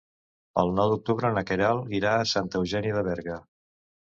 El nou d'octubre na Queralt irà a Santa Eugènia de Berga.